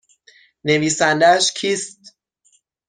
نویسندهاش کیست؟